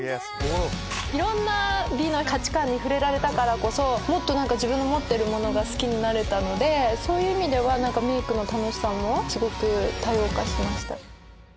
いろんな美の価値観に触れられたからこそもっと自分の持ってるものが好きになれたのでそういう意味でメイクの楽しさもすごく多様化しました。